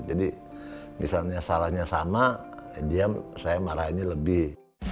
jadi misalnya salahnya sama dia saya marahinnya lebih